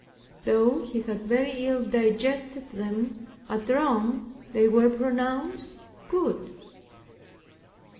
Though he had very illy digested them, at Rome they were pronounced good.